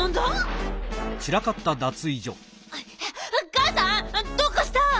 ガンさんどうかした？